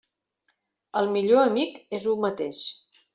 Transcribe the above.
El millor amic és u mateix.